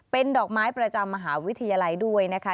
เป็นดอกไม้ประจำมหาวิทยาลัยด้วยนะคะ